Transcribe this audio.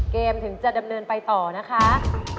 ถึงจะดำเนินไปต่อนะคะ